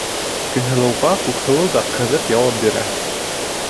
Көнһылыуға Күкһылыу ҙа ҡыҙып яуап бирә: